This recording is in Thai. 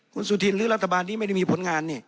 คุณสุธินหรือรัฐบาลที่ไม่ได้มีผลงาน